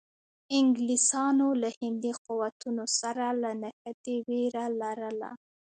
انګلیسانو له هندي قوتونو سره له نښتې وېره لرله.